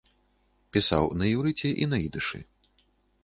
Пісаў на іўрыце і на ідышы.